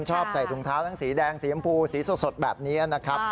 ชอบใส่ถุงเท้าทั้งสีแดงสีชมพูสีสดแบบนี้นะครับ